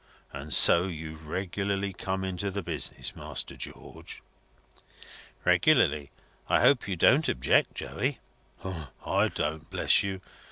And so you've regularly come into the business, Master George?" "Regularly. I hope you don't object, Joey?" "I don't, bless you.